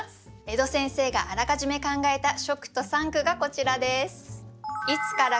江戸先生があらかじめ考えた初句と三句がこちらです。